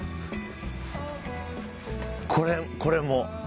これこれも。